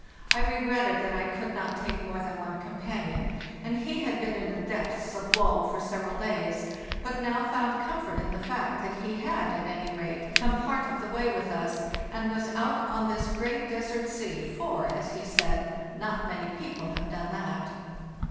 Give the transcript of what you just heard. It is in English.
I re egretted that I could not take more than one companion, and he had been in the depths of woe for several days, but now found comfort in the fact that he had, at any rate, come part of the way with us, and was out on this great des ert sea, for, as he said, "not many people have done that."